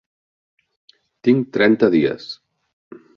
Tinc trenta dies.